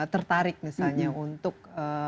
tertarik misalnya untuk